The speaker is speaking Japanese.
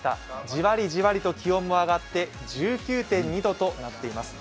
じわりじわりと気温も上がって１９．２度となっています。